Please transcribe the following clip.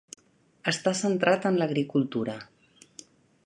Està centrat en l'agricultura.